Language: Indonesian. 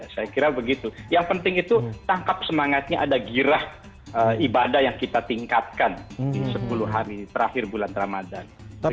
saya kira begitu yang penting itu tangkap semangatnya ada girah ibadah yang kita tingkatkan di sepuluh hari terakhir bulan ramadan